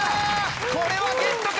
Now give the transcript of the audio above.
これはゲットか？